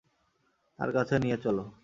তার কাছে নিয়ে চলো।